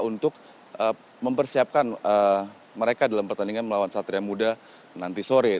untuk mempersiapkan mereka dalam pertandingan melawan satria muda nanti sore